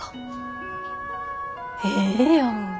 ええやん。